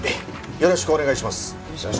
よろしくお願いします。